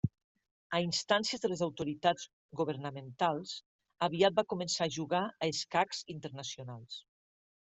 A instàncies de les autoritats governamentals, aviat va començar a jugar a escacs internacionals.